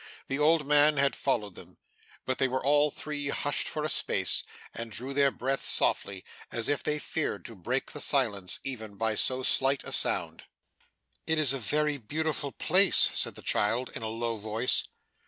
The old man had followed them, but they were all three hushed for a space, and drew their breath softly, as if they feared to break the silence even by so slight a sound. 'It is a very beautiful place!' said the child, in a low voice.